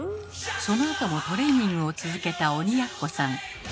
そのあともトレーニングを続けた鬼奴さん。